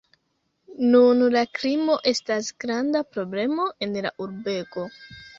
Nun la krimo estas granda problemo en la urbego.